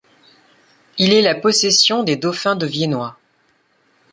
Il est la possession des dauphins de Viennois.